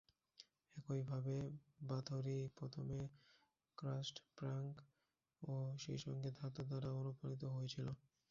একইভাবে, বাথোরি প্রথমে crust punk ও সেইসঙ্গে ধাতু দ্বারা অনুপ্রাণিত হয়েছিলেন।